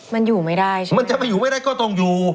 มันอยู่ไม่ได้ใช่ไหมมันจะไปอยู่ไม่ได้ก็ต้องอยู่